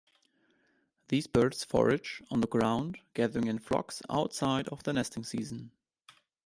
These birds forage on the ground, gathering in flocks outside of the nesting season.